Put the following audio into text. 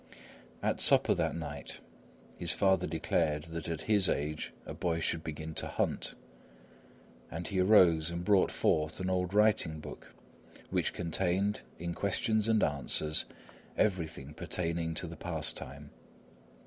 At supper that night, his father declared that at his age a boy should begin to hunt; and he arose and brought forth an old writing book which contained, in questions and answers, everything pertaining to the pastime.